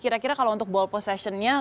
kira kira kalau untuk ball possession nya